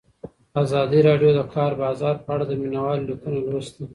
ازادي راډیو د د کار بازار په اړه د مینه والو لیکونه لوستي.